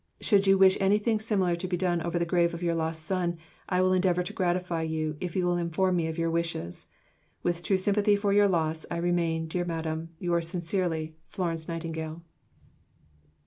Should you wish anything similar to be done over the grave of your lost son, I will endeavour to gratify you, if you will inform me of your wishes. With true sympathy for your loss, I remain, dear Madam, yours sincerely, FLORENCE NIGHTINGALE.